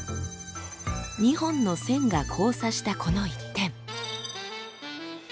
２本の線が交差したこの一点。